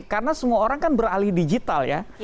karena semua orang kan beralih digital ya